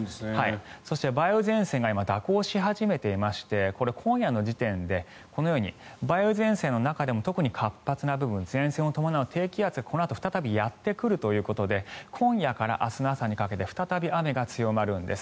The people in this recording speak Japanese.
そして梅雨前線が今、蛇行し始めていましてこれは今夜の時点でこのように梅雨前線の中でも特に活発な部分前線を伴う低気圧がこのあと再びやってくるということで今夜から明日の朝にかけて再び雨が強まるんです。